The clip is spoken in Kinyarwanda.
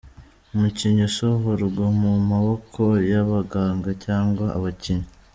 Umukinnyi asohorwa mu maboko y'abaganga cyangwa abakinnyi.